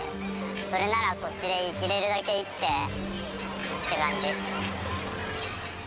それならこっちで生きれるだけ生きてって感じ。